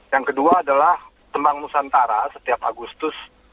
yang kedua adalah tembang nusantara setiap agustus